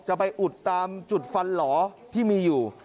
ไปอุดตามจุดฟันหล่อที่มีอยู่